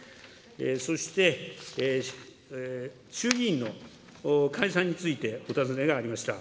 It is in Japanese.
そして、衆議院の解散についてお尋ねがありました。